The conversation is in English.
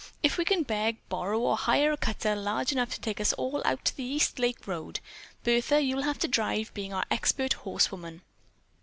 If we can beg, borrow or hire a cutter large enough to take us all out the East Lake Road. Bertha, you'll have to drive, being our expert horsewoman."